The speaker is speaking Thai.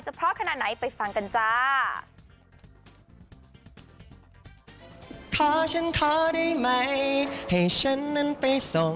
เพราะขนาดไหนไปฟังกันจ้า